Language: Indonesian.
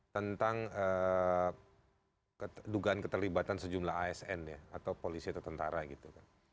tentang dugaan keterlibatan sejumlah asn ya atau polisi atau tentara gitu kan